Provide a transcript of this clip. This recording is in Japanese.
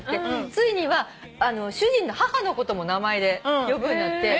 ついには主人の母のことも名前で呼ぶようになって。